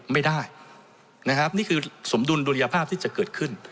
ไม่ได้นะครับนี่คือสมดุลดุลยภาพที่จะเกิดขึ้น